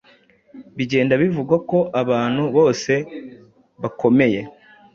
bigenda bivugwa ko abantu bose bakomeye